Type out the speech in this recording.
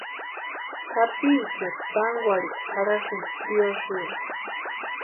Sapicheri tankwarhikwa jarhasïnti tiosïo.